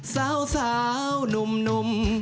สาวหนุ่ม